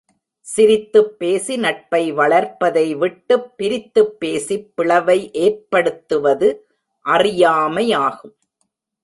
சிரித்துப் பேசி நட்பை வளர்ப்பதை விட்டுப் பிரித்துப் பேசிப் பிளவை ஏற்படுத்துவது அறியாமையாகும்.